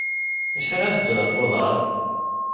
Acḥal ara tedduḍ ɣef uḍar?